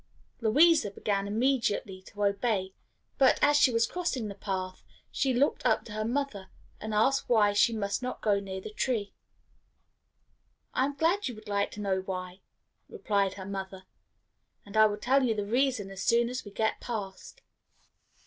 Louisa began immediately to obey, but as she was crossing the path she looked up to her mother and asked why she must not go near the tree. "I am glad you would like to know why," replied her mother, "and I will tell you the reason as soon as we get past."